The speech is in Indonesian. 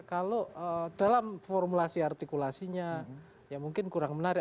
kalau dalam formulasi artikulasinya ya mungkin kurang menarik